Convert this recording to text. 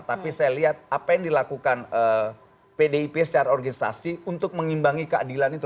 tapi saya lihat apa yang dilakukan pdip secara organisasi untuk mengimbangi keadilan itu